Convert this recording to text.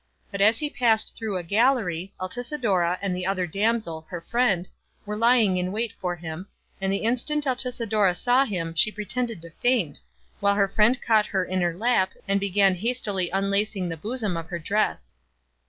But as he passed through a gallery, Altisidora and the other damsel, her friend, were lying in wait for him, and the instant Altisidora saw him she pretended to faint, while her friend caught her in her lap, and began hastily unlacing the bosom of her dress.